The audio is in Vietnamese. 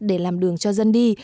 để làm đường cho dân đi